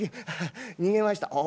「ああ逃げました」。